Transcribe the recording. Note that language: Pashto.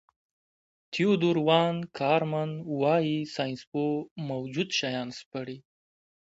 تیودور وان کارمن وايي ساینسپوه موجود شیان سپړي.